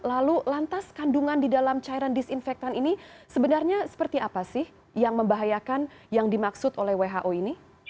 lalu lantas kandungan di dalam cairan disinfektan ini sebenarnya seperti apa sih yang membahayakan yang dimaksud oleh who ini